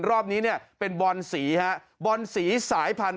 รอบนี้เนี่ยเป็นบอนสีฮะบอลสีสายพันธุ